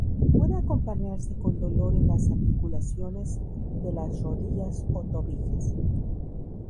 Puede acompañarse con dolor en las articulaciones de las rodillas o tobillos.